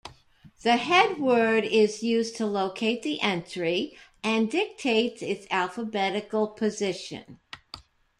The headword is used to locate the entry, and dictates its alphabetical position.